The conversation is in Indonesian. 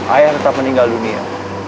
ayah tetap meninggal dunia